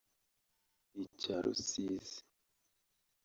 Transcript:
icya Rusizi